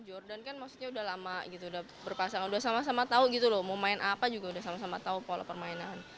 udah sama sama tau gitu loh mau main apa juga udah sama sama tau pola permainan